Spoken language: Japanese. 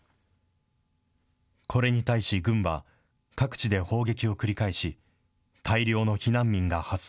これに対し軍は、各地で砲撃を繰り返し、大量の避難民が発生。